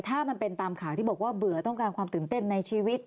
ถ้ามันเป็นตามข่าวที่บอกว่าเบื่อต้องการความตื่นเต้นในชีวิต